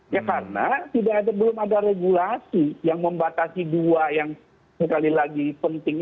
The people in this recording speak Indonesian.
ya karena belum ada regulasi yang membatasi dua yang sekali lagi penting